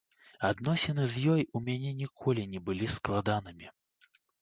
Адносіны з ёй у мяне ніколі не былі складанымі.